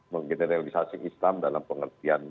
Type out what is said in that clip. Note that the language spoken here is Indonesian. menggeneralisasi islam dalam pengertian